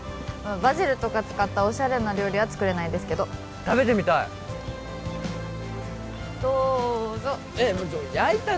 バジルとか使ったオシャレな料理は作れないですけど食べてみたいどうぞえっ